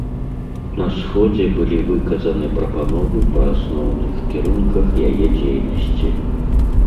На сходзе былі выказаны прапановы па асноўных кірунках яе дзейнасці.